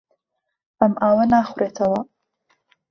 ئەم ئاوە ناخورێتەوە.